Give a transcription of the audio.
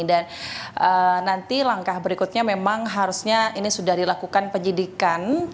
dan nanti langkah berikutnya memang harusnya ini sudah dilakukan penyidikan